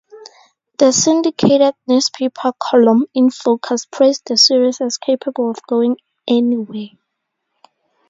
The syndicated newspaper column "In Focus" praised the series as "capable of going anywhere".